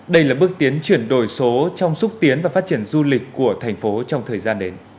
đây là bước tiến chuyển đổi số trong xúc tiến và phát triển du lịch của thành phố trong thời gian đến